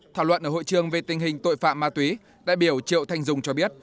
thảo luận ở hội trường về tình hình tội phạm ma túy đại biểu triệu thanh dung cho biết